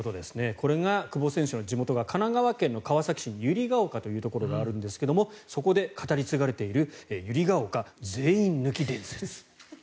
これが久保選手の地元が神奈川県の川崎市に百合丘というところがあるんですがそこで語り継がれている百合丘全員抜き伝説。